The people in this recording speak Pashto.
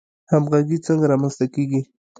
همغږي څنګه رامنځته کیږي؟